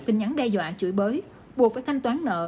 tin nhắn đe dọa chửi bới buộc phải thanh toán nợ